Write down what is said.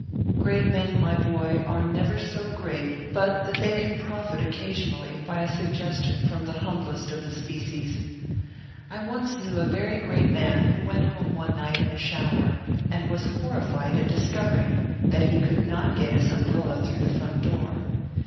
Great men, my boy, are never so great but that they can profit occasionally by a suggestion from the humblest of the species. I once knew a very great man 256 ORPHEUS C. KERR PAPERS. who went home one night in a shower, and was horri fied at discovering that he could not get his umbrella through the front door.